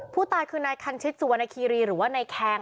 ผู้ตายคือนายแคล็งคันชิดซิวานาคีรีรือว่าไรแครง